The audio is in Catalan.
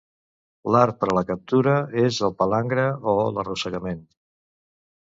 L'art per a la captura és el palangre o l'arrossegament.